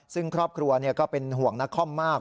ซึ่งครอบครัวก็เป็นห่วงนักคอมมาก